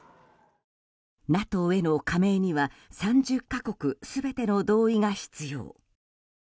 ＮＡＴＯへの加盟には３０か国全ての同意が必要。